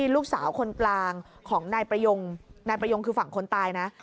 ลูกสาวคนกลางของนายประยงนายประยงคือฝั่งคนตายนะ